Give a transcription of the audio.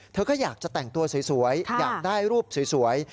เธอก็อยากจะแต่งตัวสวยอยากได้รูปสวย